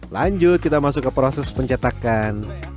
lanjut kita masuk ke proses pencetakan